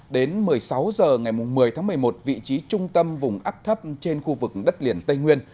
đến một mươi sáu h ngày một mươi tháng một mươi một vị trí trung tâm vùng áp thấp trên khu vực đất liền tây nguyên